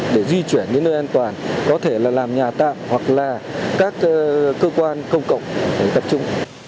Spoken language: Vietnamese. để di chuyển đến nơi an toàn có thể là làm nhà tạm hoặc là các cơ quan công cộng để tập trung